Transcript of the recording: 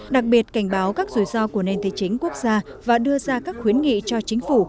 đặc biệt cảnh báo các rủi ro của nền tài chính quốc gia và đưa ra các khuyến nghị cho chính phủ